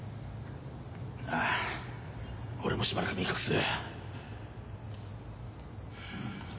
あぁ俺もしばらく身を隠す。